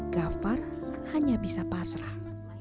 gavar hanya bisa pasrah